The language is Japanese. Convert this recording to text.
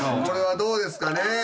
これはどうですかね？